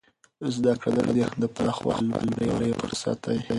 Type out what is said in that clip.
زده کړه د ذهن د پراخوالي لپاره یو ښه فرصت دی.